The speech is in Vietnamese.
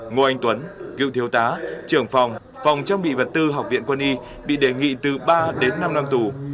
ngô anh tuấn cựu thiếu tá trưởng phòng phòng trang bị vật tư học viện quân y bị đề nghị từ ba đến năm năm tù